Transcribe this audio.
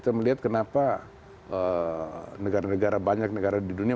tapi kalau kita lihat negara negara lain di dunia